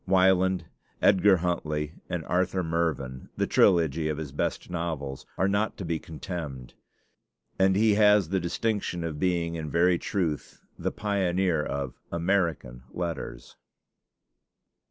'Wieland,' 'Edgar Huntly,' and 'Arthur Mervyn,' the trilogy of his best novels, are not to be contemned; and he has the distinction of being in very truth the pioneer of American letters.